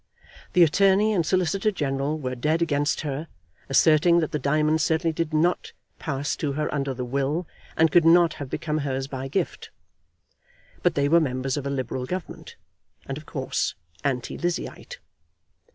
The Attorney and Solicitor General were dead against her, asserting that the diamonds certainly did not pass to her under the will, and could not have become hers by gift. But they were members of a Liberal government, and of course anti Lizzieite.